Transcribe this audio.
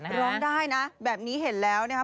ร้องได้นะแบบนี้เห็นแล้วนะครับ